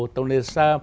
tông lê xa